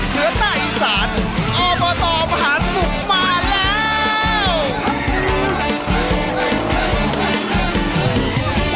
เหนือใต้อีสานอบตมหาสนุกมาแล้ว